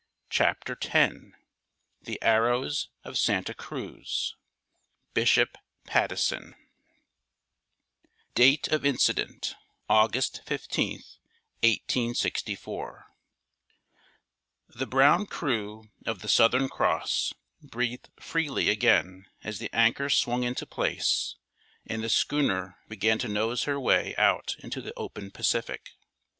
] CHAPTER X THE ARROWS OF SANTA CRUZ Bishop Patteson (Date of Incident August 15th, 1864) The brown crew of The Southern Cross breathed freely again as the anchor swung into place and the schooner began to nose her way out into the open Pacific.